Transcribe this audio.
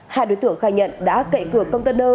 hai đối tượng khai nhận đã cậy cửa container